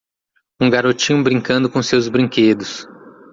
um garotinho brincando com seus brinquedos.